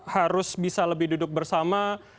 harus bisa lebih duduk bersama